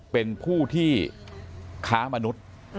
เป็นผู้ที่ค้ามนุษย์